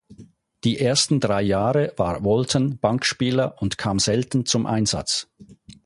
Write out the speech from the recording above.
Die ersten drei Jahre war Walton Bankspieler und kam selten zum Einsatz.